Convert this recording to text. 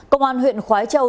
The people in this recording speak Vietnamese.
công an huyện khói châu